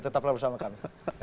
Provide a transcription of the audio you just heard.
tetaplah bersama kami